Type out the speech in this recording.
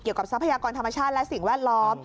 เกี่ยวกับทรัพยากรธรรมชาติและสิ่งแวดล้อม